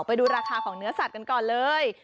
ไปดูราคาของเนื้อสัตว์กันก่อนเลย